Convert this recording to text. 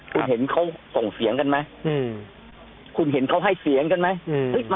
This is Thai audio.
คุณเห็นเขาส่งเสียงกันไหมคุณเห็นเขาให้เสียงกันไหม